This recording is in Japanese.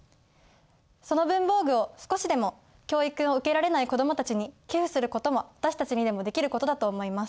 その文房具を少しでも教育を受けられない子どもたちに寄付することも私たちにでもできることだと思います。